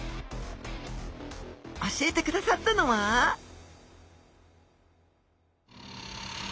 教えてくださったのはおお！？